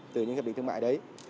từ những hiệp định thương mại đấy